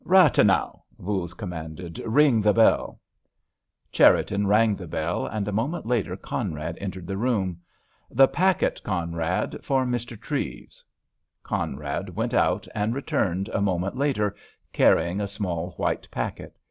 "Rathenau," Voules commanded, "ring the bell." Cherriton rang the bell, and a moment later Conrad entered the room. "The packet, Conrad, for Mr. Treves." Conrad went out and returned a moment later, carrying a small white packet.